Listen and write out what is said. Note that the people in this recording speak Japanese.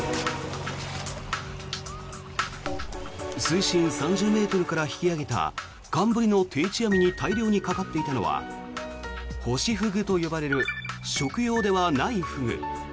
水深３０ｍから引き揚げた寒ブリの定置網に大量にかかっていたのはホシフグと呼ばれる食用ではないフグ。